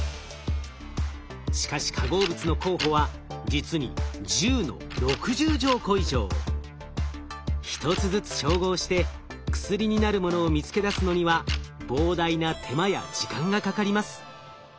しかし化合物の候補は実に一つずつ照合して薬になるものを見つけ出すのには膨大な手間や時間がかかります。